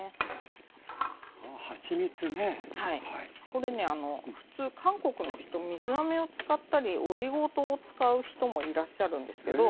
これねあの普通韓国の人水あめを使ったりオリゴ糖を使う人もいらっしゃるんですけど。